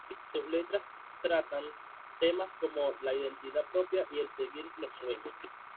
Sus letras tratan temas como la identidad propia y el seguir los sueños.